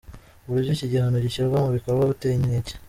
Uburyo iki gihano gishyirwa mu bikorwa buteye inkeke….